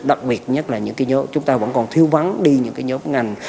đặc biệt nhất là những cái nhóm chúng ta vẫn còn thiếu vắng đi những cái nhóm ngành